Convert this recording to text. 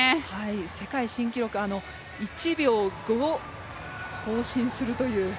世界新記録１秒５更新するという。